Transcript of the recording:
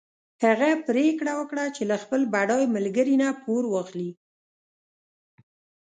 هغه پرېکړه وکړه چې له خپل بډای ملګري نه پور واخلي.